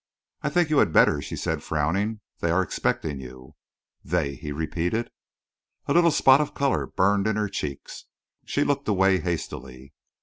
"I think you had better," she said, frowning. "They are expecting you." "They?" he repeated. A little spot of colour burned in her cheeks. She looked away hastily.